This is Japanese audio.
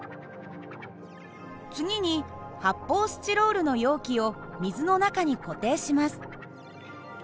次に発砲スチロールの容器を水の中に固定します。